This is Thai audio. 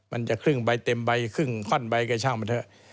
มันจะครึ่งใบเต็มใบครึ่งข้อนใบกระช่างมันเถอะ